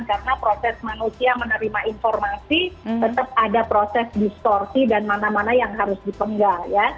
karena proses manusia menerima informasi tetap ada proses distorsi dan mana mana yang harus dipenggal